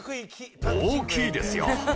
大きいですよ！